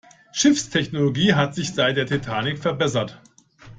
Schiffstechnologie hat sich seit der Titanic verbessert.